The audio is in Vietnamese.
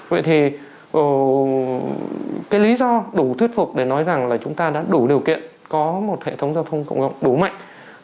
vậy thì cái lý do đủ thuyết phục để nói rằng là chúng ta đã đủ điều kiện có một hệ thống giao thông cộng đủ mạnh